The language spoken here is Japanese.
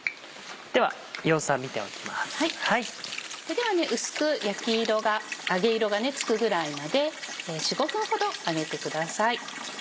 では薄く焼き色が揚げ色がつくぐらいまで４５分ほど揚げてください。